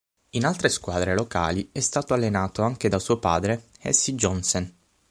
In altre squadre locali, è stato allenato anche da suo padre Hasse Johnsen.